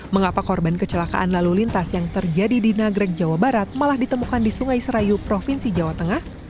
mengapa korban kecelakaan lalu lintas yang terjadi di nagrek jawa barat malah ditemukan di sungai serayu provinsi jawa tengah